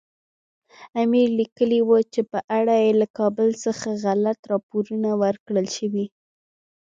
امیر لیکلي وو چې په اړه یې له کابل څخه غلط راپورونه ورکړل شوي.